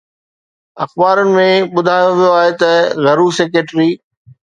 اخبارن ۾ ٻڌايو ويو آهي ته گهرو سيڪريٽري